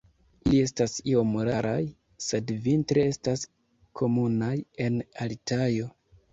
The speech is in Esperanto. Ili estas iom raraj, sed vintre estas komunaj en Altajo.